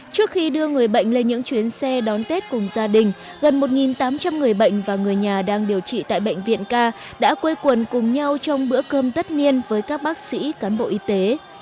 trước khi đưa người bệnh lên những chuyến xe đón tết cùng gia đình gần một tám trăm linh người bệnh và người nhà đang điều trị tại bệnh viện k đã quê quần cùng nhau trong bữa cơm tất niên với các bác sĩ cán bộ y tế